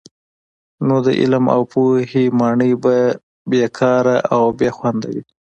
نو د علم او پوهي ماڼۍ به بې کاره او بې خونده وي.